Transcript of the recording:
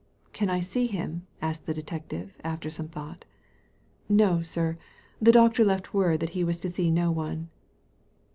" Can I see him ?" asked the detective, after some thought "No, sir ; the doctor left word that he was to see no one."